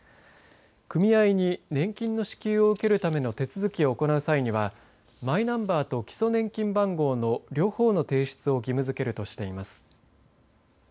組合に年金の支給を受けるための手続きを行う際にはマイナンバーと基礎年金番号の両方の提出を義務づけるとしています。